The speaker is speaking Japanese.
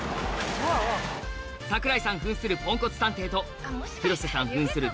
櫻井さん扮するポンコツ探偵と広瀬さん扮する